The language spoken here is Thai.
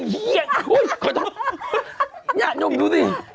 เนี่ยนุ่มดูดิ